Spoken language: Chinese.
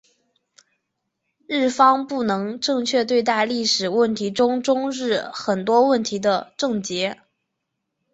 日方不能正确对待历史问题是中日间很多问题的症结。